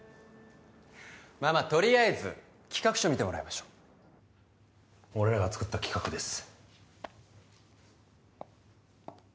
まあまあとりあえず企画書見てもらいましょう俺らが作った企画です